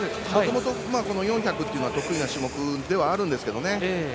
もともと４００というのは得意な種目ではあるんですが。